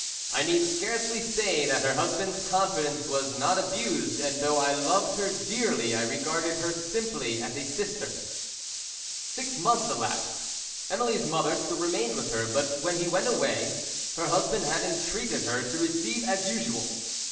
I need scarcely say that her husband's confidence was not abused, and though I loved her dearly I regarded her simply as a sister. "Six months elapsed. "Emily's mother still remained with her, but when he went away, her husband had entreated her to receive as usual.